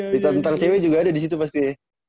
cerita tentang cewek juga ada disitu pasti ya